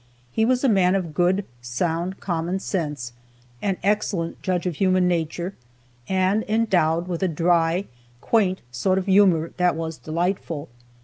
He was a man of good, sound common sense, an excellent judge of human nature, and endowed with a dry, quaint sort of humor that was delightful.